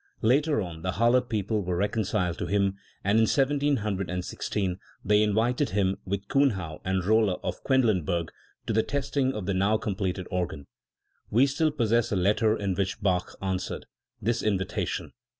Later on the Halle people were reconciled to him, and in 1716 they invited him, with Kuhnau and Rolle of QuedHnburg, to the testing of the now completed organ. We still possess a letter in which Bach answered this in vitation.